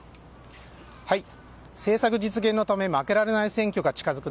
政策実現のため負けられない選挙が近づく